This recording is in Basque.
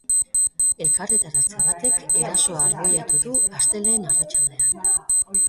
Elkarretaratze batek erasoa arbuiatu du, astelehen arratsaldean.